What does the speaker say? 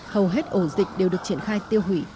hầu hết ổ dịch đều được triển khai tiêu hủy